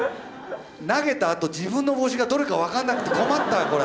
投げたあと自分の帽子がどれか分かんなくて困ったよこれ。